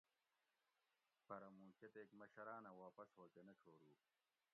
پرہ موں کتیک مشراںہ واپس ھو کہ نہ چھورو